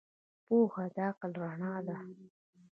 پوهه د عقل رڼا ده.